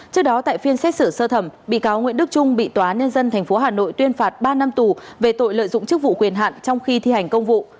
trước đó tại phiên xét xử sơ thẩm bị cáo nguyễn đức trung bị tòa nhân dân tp hà nội tuyên phạt ba năm tù về tội lợi dụng chức vụ quyền hạn trong khi thi hành công vụ